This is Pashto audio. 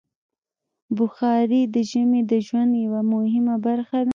بخاري د ژمي د ژوند یوه مهمه برخه ده.